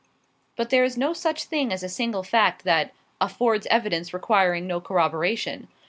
But there is no such thing as a single fact that 'affords evidence requiring no corroboration.'